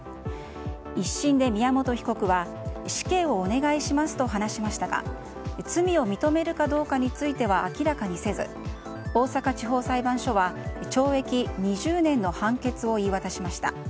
１審で宮本被告は死刑をお願いしますと話しましたが罪を認めるかどうかについては明らかにせず大阪地方裁判所は懲役２０年の判決を言い渡しました。